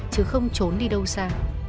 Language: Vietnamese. chứ không trốn đi đâu xa